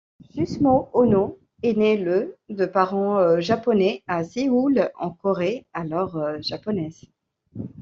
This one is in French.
Susumu Ohno est né le de parents japonais à Séoul en Corée alors japonaise.